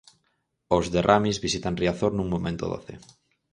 Os de Ramis visitan Riazor nun momento doce.